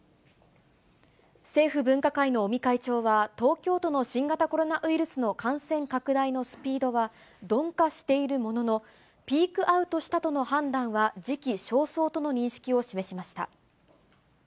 政府分科会の尾身会長は、東京都の新型コロナウイルスの感染拡大のスピードは鈍化しているものの、ピークアウトしたとの判断は時期尚早との認識を示しました。